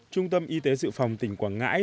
trung tâm y tế dự phòng tỉnh quảng ngãi